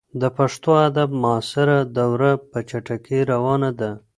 د پښتو ادب معاصره دوره په چټکۍ روانه ده.